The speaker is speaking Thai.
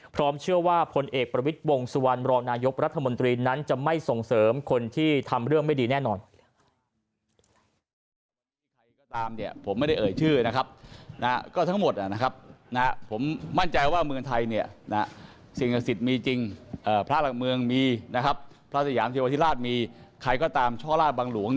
พร้อมเชื่อว่าพลเอกประวิทย์วงสุวรรณรองนายกรัฐมนตรีนั้นจะไม่ส่งเสริมคนที่ทำเรื่องไม่ดีแน่นอน